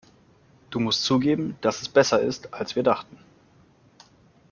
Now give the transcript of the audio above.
Du musst zugeben, dass es besser ist, als wir dachten.